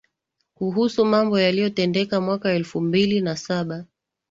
kuhusu mambo yaliyotendeka mwaka wa elfu mbili na saba